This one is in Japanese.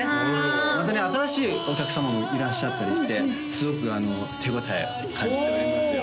ホントに新しいお客様もいらっしゃったりしてすごく手応えを感じております